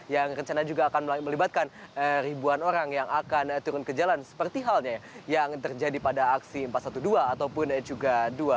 yang rencana juga akan melibatkan ribuan orang yang akan turun ke jalan seperti halnya yang terjadi pada aksi empat ratus dua belas ataupun juga dua